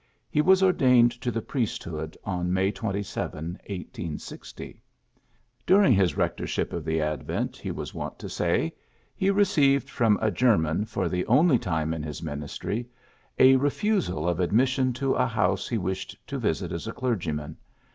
He was ordained to the priesthood on May 27, 1860. During his rectorship of the Advent, he was wont to say, he received from a German, for the only time in his minis try, a refusal of admission to a house he wished to visit as a clergyman.